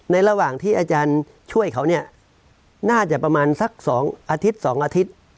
ในระหว่างที่อาจารย์ช่วยเขาน่าจะประมาณสัก๒อาทิตย์